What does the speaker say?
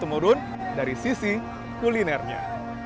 yang menurun dari sisi kulinernya